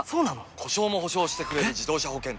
故障も補償してくれる自動車保険といえば？